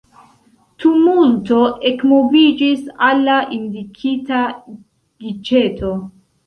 Tumulto ekmoviĝis al la indikita giĉeto.